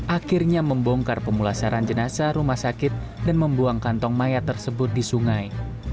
akhirnya membongkar pemulasaran jenazah rumah sakit dan membuang kantong mayat tersebut di sungai